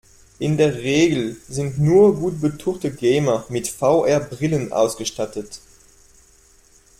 In der Regel sind nur gut betuchte Gamer mit VR-Brillen ausgestattet.